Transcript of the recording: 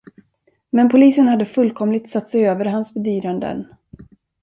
Men polisen hade fullkomligt satt sig över hans bedyranden.